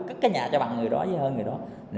cất cái nhà cho bạn người đó với hơn người đó